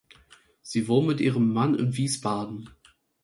Sie wohnt mit ihrem Mann in Wiesbaden.